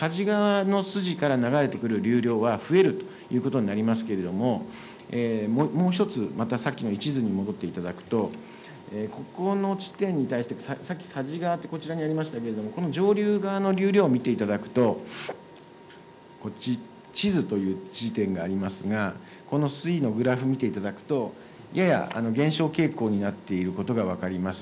ですからこのかじがわの筋から流れてくる流量は、増えるということになりますけれども、もう１つ、またさっきの地図に戻っていただくと、ここの地点に対して、さっき、佐治川って、こっちにありましたけれども、この上流側の流量見ていただくと、こっち、地図という地点がありますが、この水位のグラフ見ていただきますと、やや減少傾向になっていることが分かります。